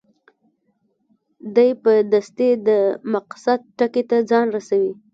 دی په دستي د مقصد ټکي ته ځان رسوي.